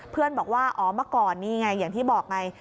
เพื่อนบอกว่าอ๋อมาก่อนนี่ไงอย่างที่บอกไง